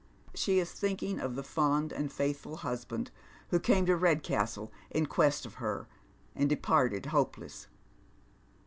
She is thinking of the fond and faithful husband who came to Kedcastle inquest of her, and departed hopeless.